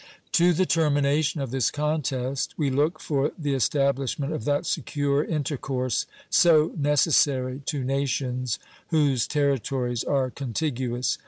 To the termination of this contest we look for the establishment of that secure intercourse so necessary to nations whose territories are contiguous.